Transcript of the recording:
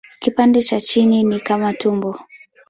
Kipande cha chini ni kama tumbo.